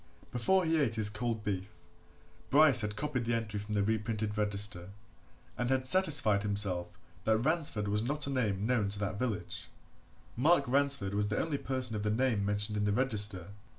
Before he ate his cold beef, Bryce had copied the entry from the reprinted register, and had satisfied himself that Ransford was not a name known to that village Mark Ransford was the only person of the name mentioned in the register.